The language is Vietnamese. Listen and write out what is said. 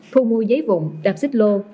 thu mua giấy vụng đạp xích lô